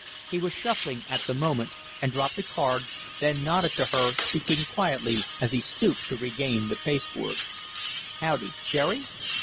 He was shuffling at the moment and dropped a card, then nodded to her. speaking quietly, as he stooped to regain the pasteboard: "Howdy, Cherry?"